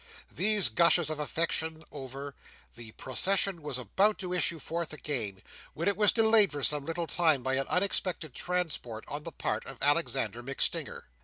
These gushes of affection over, the procession was about to issue forth again, when it was delayed for some little time by an unexpected transport on the part of Alexander MacStinger.